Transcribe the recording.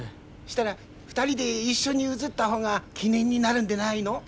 したら２人で一緒に写った方が記念になるんでないの？